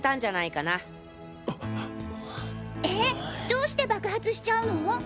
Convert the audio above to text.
どうして爆発しちゃうの？